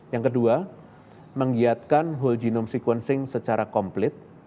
yang kedua menggiatkan whole genome sequencing secara komplit